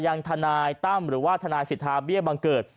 ยังทนายตั้มหรือว่าทนายสิทธาเบี้ยบังเกิด